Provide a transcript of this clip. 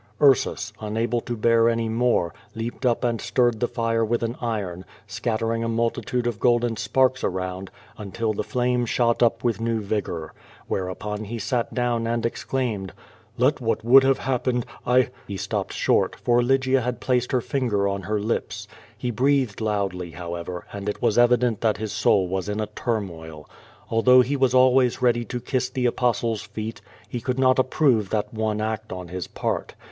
Ursus, unable to bear any more, leaped up and stirred the fire with an iron, scattering a multitude of golden sparks around, until the flame shot up with new vigor. Whereupo?i lie sat down and exclaimed: "Ixt what would have hap pene<l, I —" He stopped short, for Lygia had placed her finger on her 200 Q^^ VADI8. lips. He breathed loudly, however, and it was evident that his soul was in a turmoil. Although he was always ready to kiss the Apostle's feet, he could not approve that one act on his part.